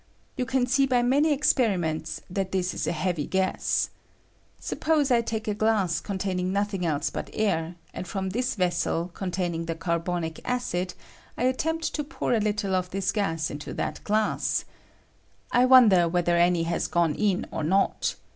You can see by many experiments that this is a heavy gas. Suppose I take a glass containiBg nothing else but air, and from this vessel containing the carbonic acid I attempt to pour a little of this gas into that glass — I wonder whether any has gone in or not.